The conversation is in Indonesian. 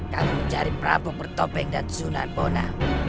kamu mencari prabu bertopeng dan sunanbona